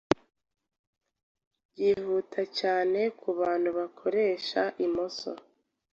byihuta cyane ku bantu bakoresha imoso.